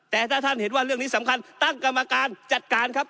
แต่ถ้าท่านเห็นว่าเรื่องนี้สำคัญตั้งกรรมการจัดการครับ